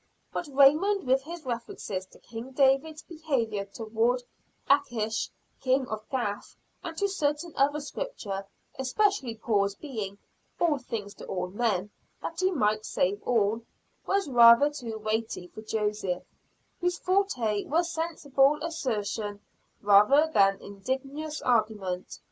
But Raymond with his references to King David's behavior towards Achish, King of Gath, and to certain other scripture, especially Paul's being "all things to all men that he might save all," was rather too weighty for Joseph, whose forte was sensible assertion rather than ingenious argument.